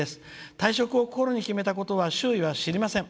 退職を心に決めたことは周囲は知りません。